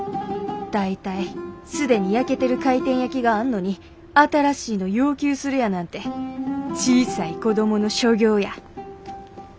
大体既に焼けてる回転焼きがあんのに新しいの要求するやなんて小さい子供の所業や。